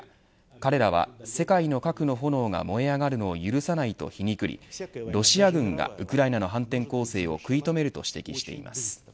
彼らは、世界の核の炎が燃え上がるのを許さないと皮肉りロシア軍がウクライナの反転攻勢を食い止めると指摘しています。